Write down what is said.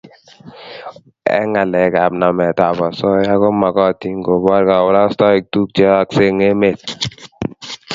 eng ghalek ap namet ap osoya komakatin kopor kaparastaik tuche yoyoksei eng emet